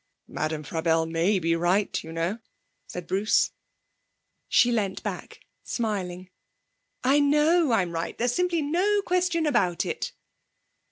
'Madame Frabelle may be right, you know,' said Bruce. She leant back, smiling. 'I know I'm right! There's simply no question about it.'